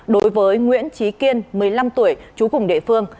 đối với nguyễn trí kiên một mươi năm tuổi trú cùng địa phương